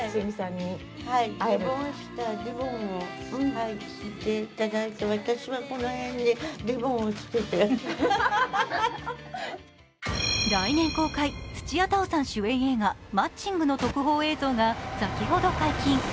来年公開、土屋太鳳さん主演映画「マッチング」の特報映像が先ほど解禁。